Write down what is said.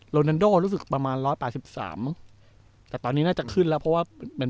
นันโดรู้สึกประมาณร้อยแปดสิบสามแต่ตอนนี้น่าจะขึ้นแล้วเพราะว่าเป็น